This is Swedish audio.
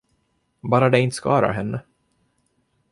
Bara det inte skadar henne?